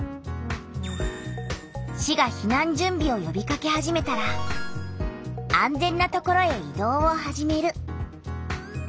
市が避難準備をよびかけ始めたら「安全な所へ移動を始める」。